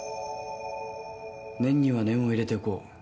念には念を入れておこう。